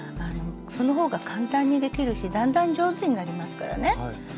その方が簡単にできるしだんだん上手になりますからね。